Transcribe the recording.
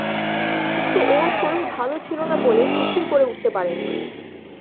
কিন্তু ওঁর শরীর ভালো ছিল না বলে কিছুই করে উঠতে পারেন নি।